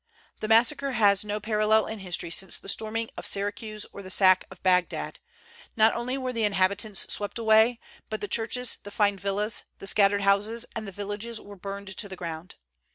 The massacre has no parallel in history since the storming of Syracuse or the sack of Bagdad, Not only were the inhabitants swept away, but the churches, the fine villas, the scattered houses, and the villages were burned to the ground.